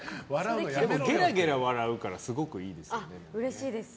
ゲラゲラ笑うからすごくいいですよね。